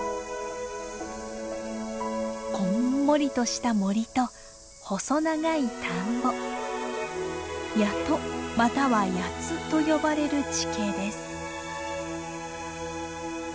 こんもりとした森と細長い田んぼ谷戸または谷津と呼ばれる地形です。